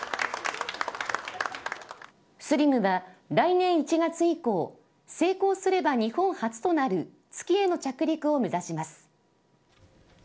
ＳＬＩＭは来年１月以降成功すれば日本初となる月への着陸を目指します。